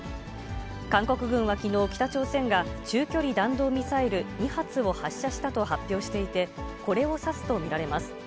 韓国軍はきのう、北朝鮮が、中距離弾道ミサイル２発を発射したと発表していて、これを指すと見られます。